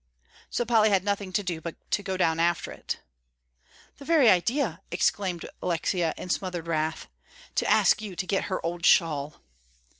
So Polly had nothing to do but to go down after it. "The very idea," exclaimed Alexia, in smothered wrath, "to ask you to get her old shawl!"